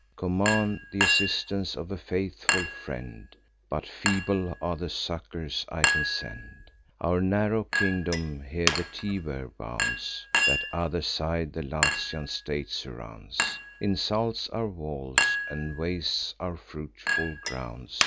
Command th' assistance of a faithful friend; But feeble are the succours I can send. Our narrow kingdom here the Tiber bounds; That other side the Latian state surrounds, Insults our walls, and wastes our fruitful grounds.